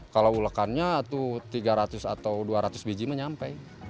kalau ulekannya tuh tiga ratus atau dua ratus biji mah nyampe